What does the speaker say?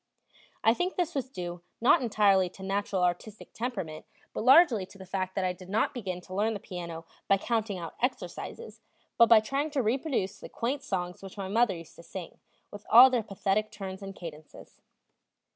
I think this was due not entirely to natural artistic temperament, but largely to the fact that I did not begin to learn the piano by counting out exercises, but by trying to reproduce the quaint songs which my mother used to sing, with all their pathetic turns and cadences.